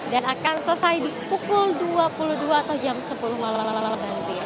dan akan selesai di pukul dua puluh dua atau jam sepuluh malah lalala